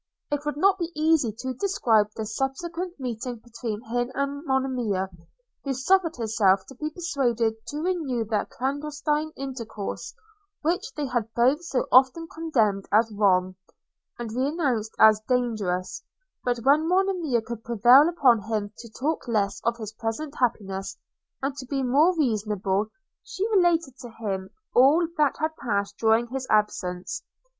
It would not be easy to describe the subsequent meeting between him and Monimia, who suffered herself to be persuaded to renew that clandestine intercourse, which they had both so often condemned as wrong, and renounced as dangerous; but when Monimia could prevail upon him to talk less of his present happiness, and to be more reasonable, she related to him all that had passed during his absence.